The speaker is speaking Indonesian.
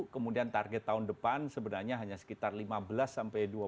kemudian target tahun depan sebenarnya hanya sekitar lima belas sampai dua puluh